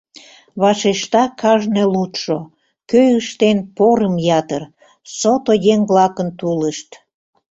Вашешта кажне лудшо: Кӧ ыштен порым ятыр, Сото еҥ-влакын тулышт…